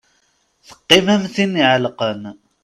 Teqqim am tin iɛelqen.